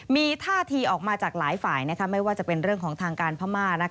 มีท่าทีออกมาจากหลายฝ่ายไม่ว่าจะเป็นเรื่องของทางการพม่า